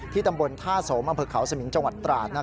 ตำบลท่าสมอำเภอเขาสมิงจังหวัดตราด